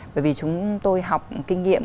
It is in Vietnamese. bởi vì chúng tôi học kinh nghiệm